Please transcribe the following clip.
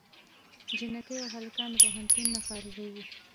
جینکۍ او هلکان د پوهنتون نه فارغېږي